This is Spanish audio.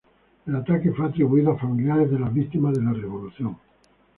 El ataque fue atribuido a familiares de las víctimas de la revolución.